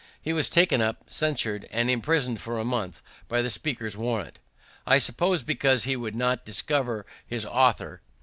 He was taken up, censur'd, and imprison'd for a month, by the speaker's warrant, I suppose, because he would not discover his author.